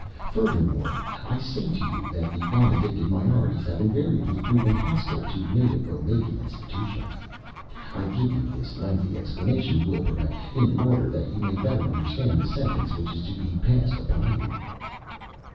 Furthermore, I say to you that the nonaddicted minorities have invariably proven hostile to native Omegan institutions. I give you this lengthy explanation, Will Barrent, in order that you may better understand the sentence which is to be passed upon you."